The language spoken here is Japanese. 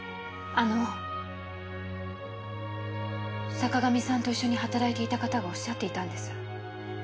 坂上さんと一緒に働いていた方がおっしゃっていたんです。